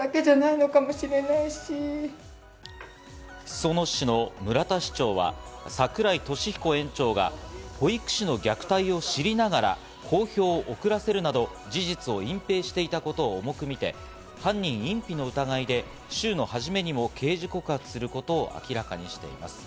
裾野市の村田市長は櫻井利彦園長が保育士の虐待を知りながら公表を遅らせるなど、事実を隠ぺいしていたことを重く見て犯人隠避の疑いで週の初めにも刑事告発することを明らかにしています。